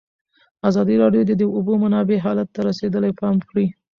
ازادي راډیو د د اوبو منابع حالت ته رسېدلي پام کړی.